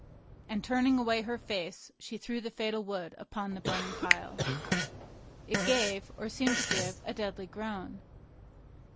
And, turning away her face, she threw the fatal wood upon the burning pile. It gave, or seemed to give, a deadly groan.